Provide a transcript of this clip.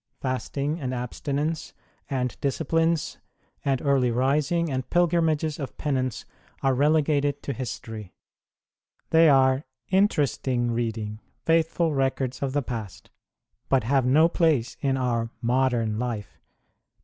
Fasting, and absti nence, and disciplines, and early rising, and pilgrimages of penance are relegated to history. They are interesting reading, faithful records of the past, but have no place in our modern life.